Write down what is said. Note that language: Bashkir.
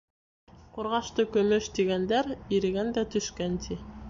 Ҡурғашты көмөш тигәндәр, ирегән дә төшкән, ти.